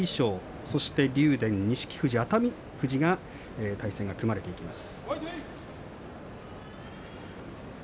これから剣翔そして竜電、錦富士、熱海富士対戦が組まれています。